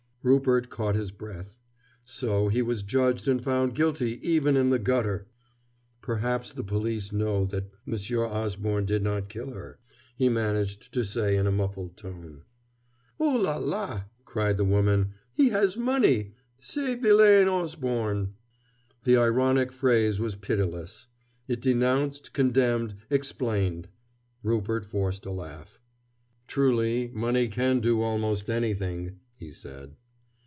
Rupert caught his breath. So he was judged and found guilty even in the gutter! "Perhaps the police know that Monsieur Osborne did not kill her," he managed to say in a muffled tone. "Oh, là, là!" cried the woman. "He has money, ce vilain Osborne!" The ironic phrase was pitiless. It denounced, condemned, explained. Rupert forced a laugh. "Truly, money can do almost anything," he said.